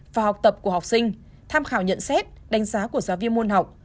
và học tập của học sinh tham khảo nhận xét đánh giá của giáo viên môn học